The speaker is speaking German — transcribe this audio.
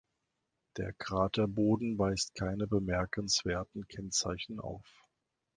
Der Kraterboden weist keine bemerkenswerten Kennzeichen auf.